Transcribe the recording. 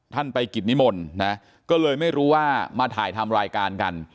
ท่านไปกิจนิมนต์นะก็เลยไม่รู้ว่ามาถ่ายทำรายการกัน